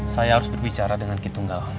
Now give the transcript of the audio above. saya harus berbicara dengan ki tunggal